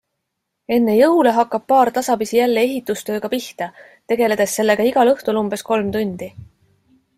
Enne jõule hakkab paar tasapisi jälle ehitustööga pihta, tegeledes sellega igal õhtul umbes kolm tundi.